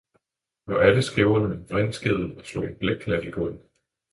Og alle skriverne vrinskede og slog en blækklat på gulvet.